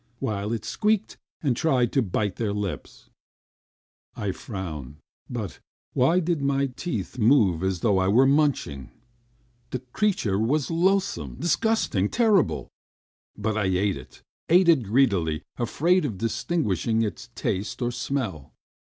While it squeaked and tried to bite their lips. ... I frowned, but ... but why did my teeth move as though I were munching? The creature was loathsome, disgusting, terrible, but I ate it, ate it greedily, afraid of distinguishing its taste or smell.